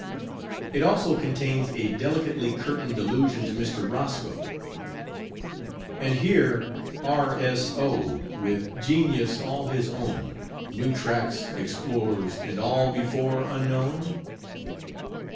_ It also contains a delicately curtained allusion to Mr. Roscoe:— "And here R*s*o*, _with genius all his own, New tracks explores, and all before unknown?"